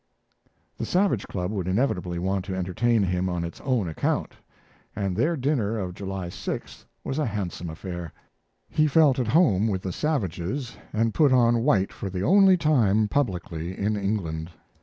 The Savage Club would inevitably want to entertain him on its own account, and their dinner of July 6th was a handsome, affair. He felt at home with the Savages, and put on white for the only time publicly in England.